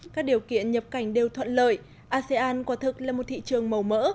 các điều kiện nhập cảnh đều thuận lợi asean quả thực là một thị trường màu mỡ